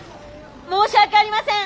申し訳ありません！